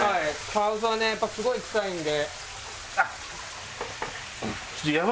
カワウソはねやっぱすごい臭いんで。